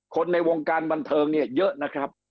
คนในวงการบันเทิงเนี่ยเยอะนะครับ